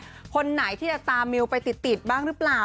คุณหรือเป็นทีนไหนที่จะตามมิวไปติดบ้างหรือเปล่า